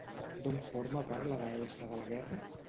D'on forma part la deessa de la guerra?